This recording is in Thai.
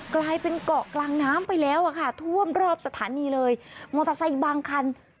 กลายเป็นเกาะกลางน้ำไปแล้วค่ะ